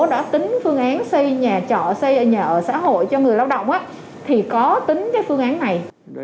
đã tính phương án xây nhà trọ xây nhà ở xã hội cho người lao động thì có tính cái phương án này